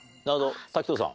滝藤さん。